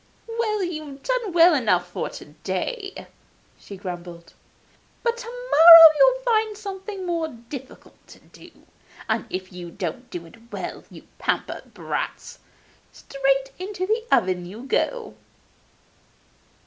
'Well, you have done well enough for to day,' she grumbled; 'but to morrow you'll have something more difficult to do, and if you don't do it well, you pampered brats, straight into the oven you go.